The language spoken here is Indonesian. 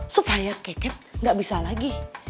supaya keket gak bisa lagi